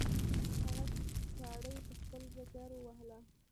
هغه چاړه یې په خپل ځګر ووهله.